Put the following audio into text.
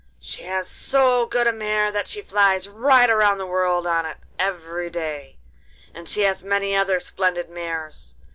She has so good a mare that she flies right round the world on it every day. And she has many other splendid mares.